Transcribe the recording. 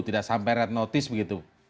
tidak sampai red notice begitu